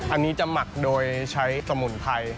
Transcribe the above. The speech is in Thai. อันนี้จะหมักโดยใช้สมุนไพร